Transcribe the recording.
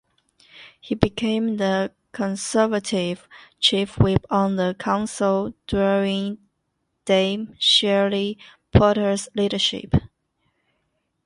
He became the Conservative Chief Whip on the council during Dame Shirley Porter's leadership.